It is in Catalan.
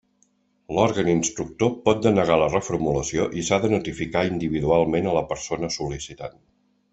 L'òrgan instructor pot denegar la reformulació i s'ha de notificar individualment a la persona sol·licitant.